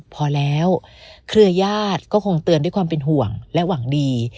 เป็นความเป็นห่วงและหวังดี